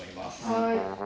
はい。